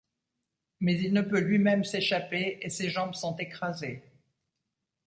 Mais il ne peut lui-même s'échapper et ses jambes sont écrasées.